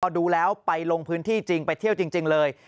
ดูแล้วไปลงพื้นที่จริงไปเที่ยวจริงเลย